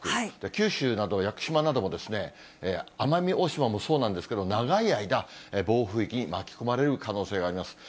九州など、屋久島なども、奄美大島もそうなんですけど、長い間、暴風域に巻き込まれる可能性があります。